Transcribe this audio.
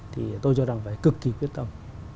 thì tôi cho rằng phải cực kỳ quyết tâm